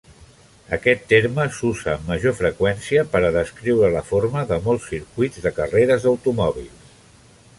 Aquest terme s'usa amb major freqüència per a descriure la forma de molts circuits de carreres d'automòbils.